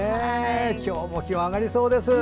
今日も気温上がりそうです。